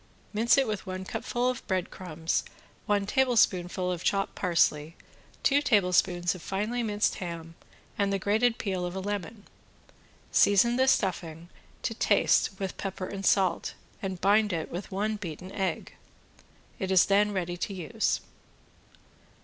Mix with it one cupful of bread crumbs, one tablespoonful of chopped parsley, two tablespoons of finely minced ham and the grated peel of a lemon. Season the stuffing to taste with pepper and salt and bind it with one beaten egg. It is then ready to use.